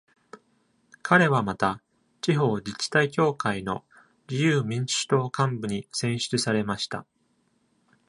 彼はまた、地方自治体協会の自由民主党幹部に選出されました。